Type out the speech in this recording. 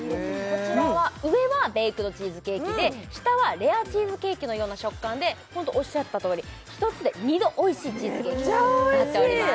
こちらは上はベイクドチーズケーキで下はレアチーズケーキのような食感でホントおっしゃったとおり１つで２度おいしいチーズケーキになっております